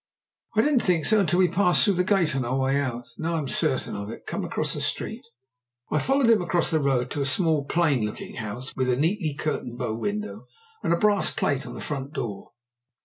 "I didn't think so until we passed through the gate on our way out. Now I'm certain of it. Come across the street." I followed him across the road to a small plain looking house, with a neatly curtained bow window and a brass plate on the front door.